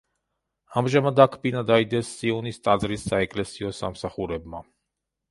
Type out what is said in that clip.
ამჟამად აქ ბინა დაიდეს სიონის ტაძრის საეკლესიო სამსახურებმა.